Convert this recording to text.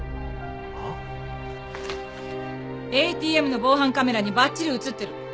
ＡＴＭの防犯カメラにばっちり映ってる。